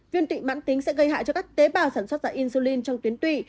viên tịnh mãn tính sẽ gây hại cho các tế bào sản xuất ra insulin trong tuyến tụy